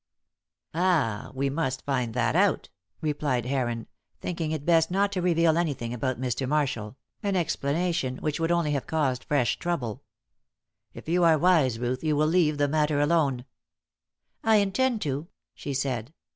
"Ah, we must find that out," replied Heron, thinking it best not to reveal anything about Mr. Marshall an explanation which would only have caused fresh trouble. "If you are wise, Ruth, you will leave the matter alone." "I intend to," she said.